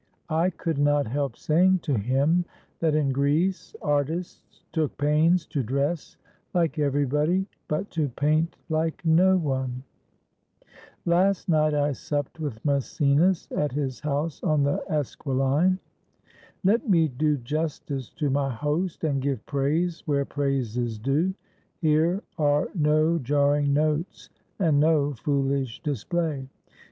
I could not help saying to him that in Greece artists took pains to dress like everybody but to paint like no one. Last night I supped with Maecenas at his house on the Esquiline. Let me do justice to my host and give praise where praise is due; here are no jarring notes and no f ooHsh display.